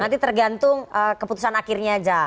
nanti tergantung keputusan akhirnya aja